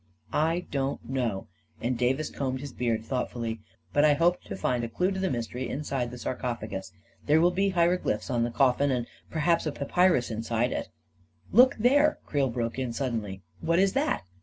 "" I don't know," and Davis combed his beard thoughtfully; " but I hope to find a clue to the mys tery inside the sarcophagus — there will be hiero glyphs on the coffin, and perhaps a papyrus inside it " ii •••" Look there !" Creel broke in suddenly. "What is that?"